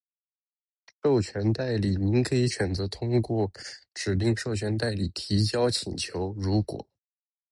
授权代理。您可以选择通过指定授权代理提交请求，如果：